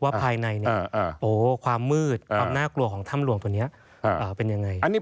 ภายในความมืดความน่ากลัวของถ้ำหลวงตัวนี้เป็นยังไง